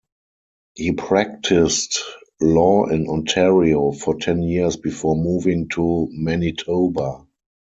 He practiced law in Ontario for ten years before moving to Manitoba.